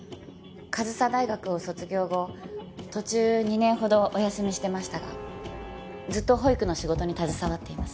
上総大学を卒業後途中２年ほどお休みしてましたがずっと保育の仕事に携わっています。